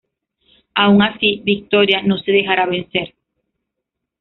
Aun así, Victoria no se dejará vencer.